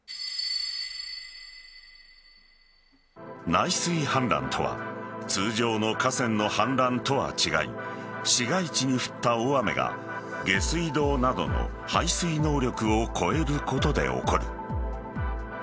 内水氾濫とは通常の河川の氾濫とは違い市街地に降った大雨が下水道などの排水能力を超えることで起こる。